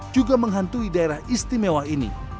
juga menghantui daerah istimewa ini